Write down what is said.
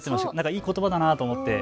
いいことばだなと思って。